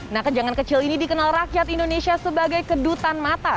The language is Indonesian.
nah kejangan kecil ini dikenal rakyat indonesia sebagai kedutan mata